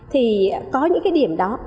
thì có những cái điểm đó